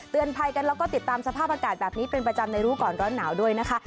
ภัยกันแล้วก็ติดตามสภาพอากาศแบบนี้เป็นประจำในรู้ก่อนร้อนหนาวด้วยนะคะ